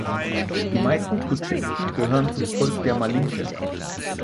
Die meisten Putschisten gehörten zum Volk der Malinke.